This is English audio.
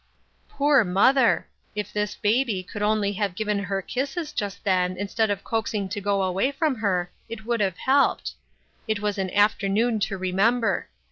Poor mother ! If this baby could only have given her kisses just then instead of coaxing to go away from her, it would have helped. It was an after noon to remember.